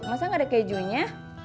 masa gak ada kejunya